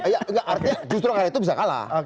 ya artinya justru karena itu bisa kalah